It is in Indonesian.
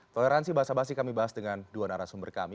toleransi bahasa basi kami bahas dengan dua narasumber kami